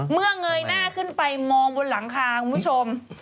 เงยหน้าขึ้นไปมองบนหลังคาคุณผู้ชม